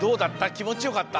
きもちよかった？